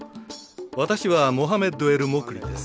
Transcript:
私はモハメッド・エル・モクリです。